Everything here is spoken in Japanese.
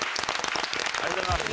ありがとうございます。